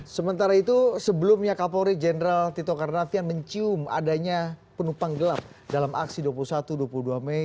sementara itu sebelumnya kapolri jenderal tito karnavian mencium adanya penumpang gelap dalam aksi dua puluh satu dua puluh dua mei